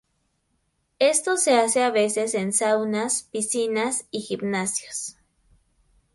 Esto se hace a veces en saunas, piscinas y gimnasios.